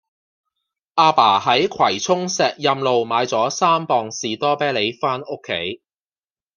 亞爸喺葵涌石蔭路買左三磅士多啤梨返屋企